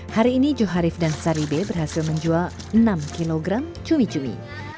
hari ini joharif dan sari b berhasil menjual enam kilogram cumi cumi